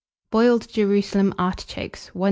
BOILED JERUSALEM ARTICHOKES. 1084.